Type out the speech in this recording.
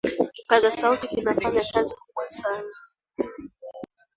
kipaza sauti kinafanya kazi kubwa sana